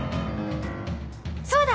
そうだ！